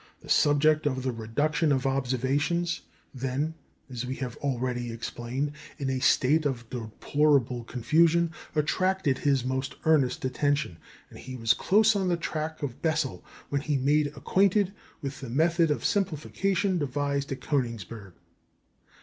The subject of the reduction of observations, then, as we have already explained, in a state of deplorable confusion, attracted his most earnest attention, and he was close on the track of Bessel when made acquainted with the method of simplification devised at Königsberg.